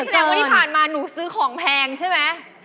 แสดงว่าที่ผ่านมาหนูซื้อของแพงใช่ไหม